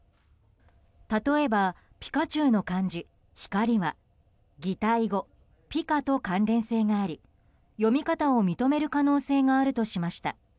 例えばピカチュウの漢字「光」は擬態語「ピカ」と関連性があり読み方を認める可能性があるとしました。